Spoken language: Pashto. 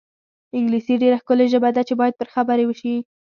انګلیسي ډېره ښکلې ژبه ده چې باید پرې خبرې وشي.